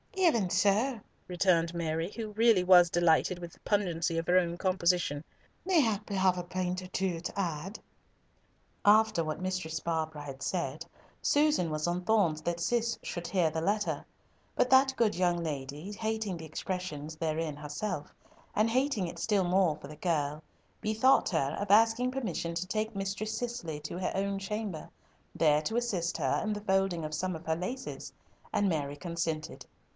"Even so," returned Mary, who really was delighted with the pungency of her own composition. "Mayhap we may have a point or two to add." After what Mistress Barbara had said, Susan was on thorns that Cis should hear the letter; but that good young lady, hating the expressions therein herself, and hating it still more for the girl, bethought her of asking permission to take Mistress Cicely to her own chamber, there to assist her in the folding of some of her laces, and Mary consented.